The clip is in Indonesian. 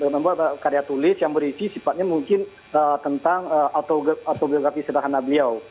membuat karya tulis yang berisi sifatnya mungkin tentang autobiografi sederhana beliau